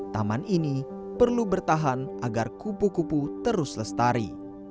taman ini perlu bertahan agar kupu kupu terus lestari